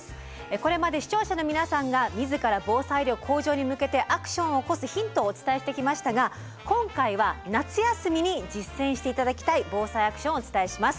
これまで視聴者の皆さんが自ら防災力向上に向けてアクションを起こすヒントをお伝えしてきましたが今回は夏休みに実践して頂きたい「ＢＯＳＡＩアクション」をお伝えします。